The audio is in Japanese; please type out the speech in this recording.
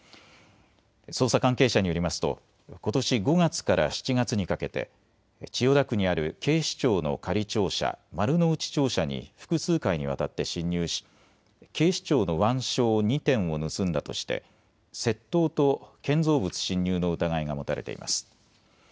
捜査関係者によりますとことし５月から７月にかけて千代田区にある警視庁の仮庁舎、丸の内庁舎に複数回にわたって侵入し警視庁の腕章２点を盗んだとして窃盗と建造物侵入の疑いが持たれています。